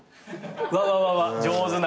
うわうわ上手な。